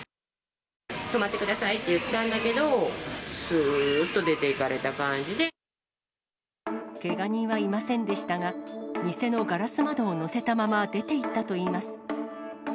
止まってくださいって言ったんだけど、けが人はいませんでしたが、店のガラス窓を載せたまま出ていったといいます。